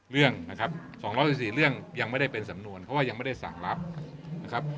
เรื่องนะครับ๒๑๔เรื่องยังไม่ได้เป็นสำนวนเพราะว่ายังไม่ได้สั่งรับนะครับ